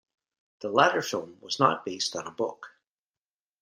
The latter film was not based on a book.